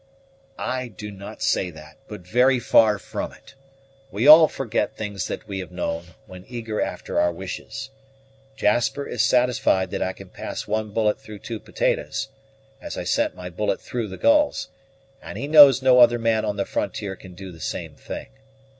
"I do not say that, but very far from it. We all forget things that we have known, when eager after our wishes. Jasper is satisfied that I can pass one bullet through two potatoes, as I sent my bullet through the gulls; and he knows no other man on the frontier can do the same thing.